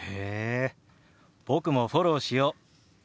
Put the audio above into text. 僕もフォローしよう。